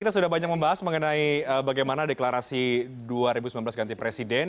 kita sudah banyak membahas mengenai bagaimana deklarasi dua ribu sembilan belas ganti presiden